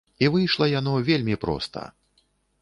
І выйшла яно вельмі проста.